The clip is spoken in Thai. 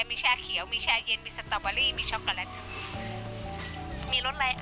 มีชาเขียวมีชาเย็นมีสตาร์บอรี่มีช็อกโกแลตมีรสอะไร